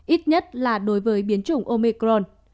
ít nhất là đối với biến chủng omicron